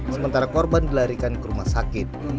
sementara korban dilarikan ke rumah sakit